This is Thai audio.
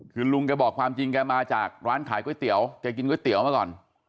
คือลุงแกบอกความจริงแกมาจากร้านขายก๋วยเตี๋ยวแกกินก๋วยเตี๋ยวมาก่อน